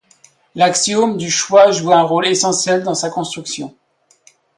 L'axiome du choix joue un rôle essentiel dans sa construction.